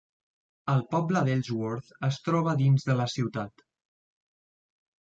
El poble d'Ellsworth es troba dins de la ciutat.